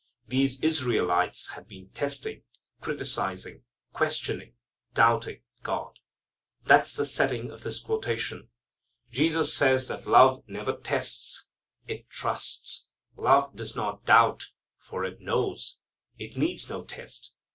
These Israelites had been testing, criticizing, questioning, doubting God. That's the setting of His quotation. Jesus says that love never tests. It trusts. Love does not doubt, for it knows. It needs no test.